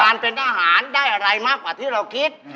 การเป็นทหารได้อะไรมากกว่าที่เราคิด